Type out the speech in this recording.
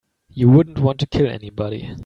You wouldn't want to kill anybody.